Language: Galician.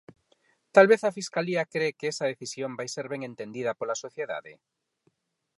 ¿Talvez a Fiscalía cre que esa decisión vai ser ben entendida pola sociedade?